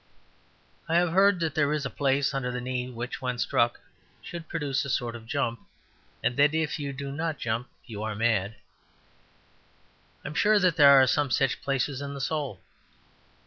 I have heard that there is a place under the knee which, when struck, should produce a sort of jump; and that if you do not jump, you are mad. I am sure that there are some such places in the soul.